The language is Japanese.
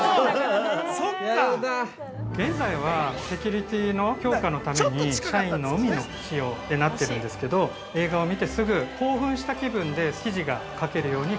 ◆現在はセキュリティーの強化のために、社員のみの使用となっているんですけど、映画を見てすぐ、興奮した気分で、記事が書けるように